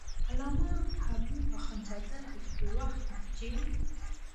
علامه حبو اخند زاده د خپل وخت مرجع و.